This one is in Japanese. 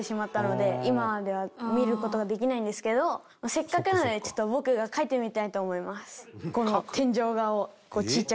せっかくなのでちょっと僕が描いてみたいと思います。